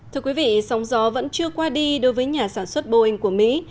thưa quý vị sóng gió vẫn chưa qua đi đối với nhà sản xuất boeing của mỹ